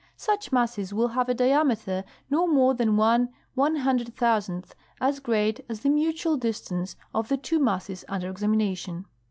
Such masses will have a diameter no more than one one hundred thousandth as great as the mutual distance of the two masses under examination.